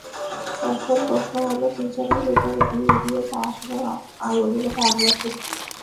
এখন প্রশ্ন হলো প্রিজমের ভেতর দিয়ে যাওয়ার সময় আলোগুলো ভাঙল কেন?